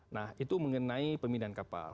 nah itu mengenai pemindahan kapal